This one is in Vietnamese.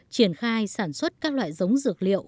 triển khai sản xuất các loại giống dược liệu